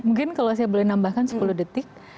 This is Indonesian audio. mungkin kalau saya boleh nambahkan sepuluh detik